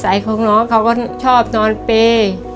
สัยของหลองเขาก็ชอบนอนเปรี้ยว